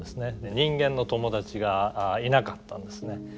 人間の友達がいなかったんですね。